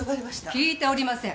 聞いておりません。